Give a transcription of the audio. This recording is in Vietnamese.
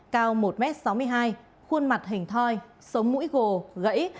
cao một m sáu mươi hai khuôn mặt hình thoi sống mũi gồ gãy